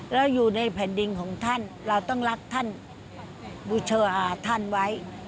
แล้วอยู่ในแผ่นดินของท่านเราต้องรักท่านบูชาท่านไว้